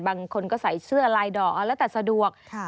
บางคนก็ใส่เสื้อลายด่อแล้วแต่สะดวกครับ